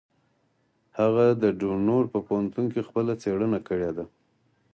هغه د ډنور په پوهنتون کې خپله څېړنه کړې ده.